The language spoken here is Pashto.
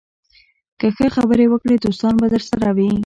که ښه خبرې وکړې، دوستان به درسره وي